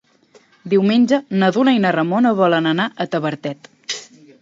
Diumenge na Duna i na Ramona volen anar a Tavertet.